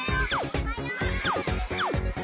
・おはよう！